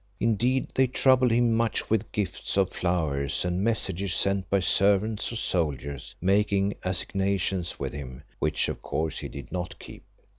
Indeed they troubled him much with gifts of flowers and messages sent by servants or soldiers, making assignations with him, which of course he did not keep.